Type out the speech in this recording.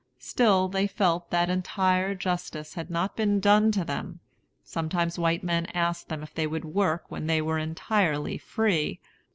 Still they felt that entire justice had not been done to them. Sometimes white men asked them if they would work when they were entirely free.